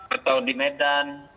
atau di medan